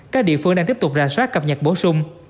các địa phương đang tiếp tục rà soát cập nhật bổ sung